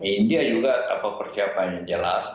india juga tanpa percaya apa yang jelas